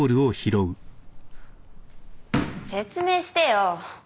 説明してよ。